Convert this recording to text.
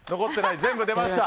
全部出ました。